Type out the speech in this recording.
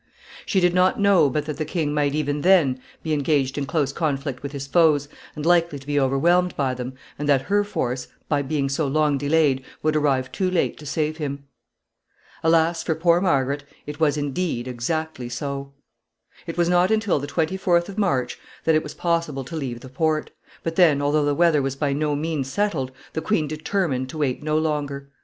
She did not know but that the king might even then be engaged in close conflict with his foes, and likely to be overwhelmed by them, and that her force, by being so long delayed, would arrive too late to save him. Alas for poor Margaret! It was, indeed, exactly so. [Sidenote: Countess of Warwick.] It was not until the 24th of March that it was possible to leave the port; but then, although the weather was by no means settled, the queen determined to wait no longer.